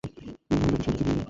এই মহিলাকে সেভাবে চিনিও না।